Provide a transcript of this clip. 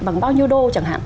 bằng bao nhiêu đô chẳng hạn